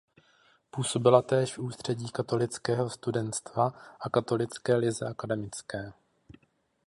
Působila též v Ústředí katolického studentstva a Katolické lize akademické.